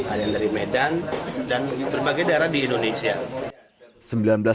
ada yang dari medan dan berbagai daerah di indonesia